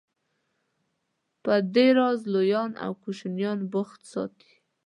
په دې راز لویان او کوشنیان بوخت ساتي.